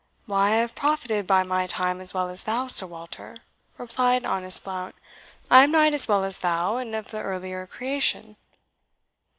"Why, I have profited by my time as well as thou, Sir Walter," replied honest Blount. "I am knight as well as thou, and of the earlier creation."